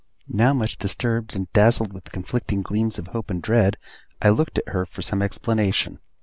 Now much disturbed, and dazzled with conflicting gleams of hope and dread, I looked at her for some explanation.